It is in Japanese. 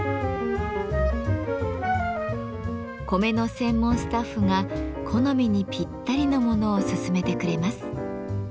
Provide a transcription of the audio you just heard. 米の専門スタッフが好みにぴったりのものを勧めてくれます。